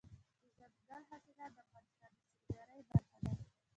دځنګل حاصلات د افغانستان د سیلګرۍ برخه ده.